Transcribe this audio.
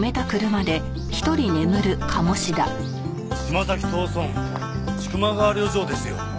島崎藤村『千曲川旅情』ですよ。